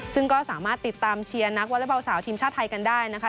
ซึ่งก็สามารถติดตามเชียร์นักวอเล็กบอลสาวทีมชาติไทยกันได้นะคะ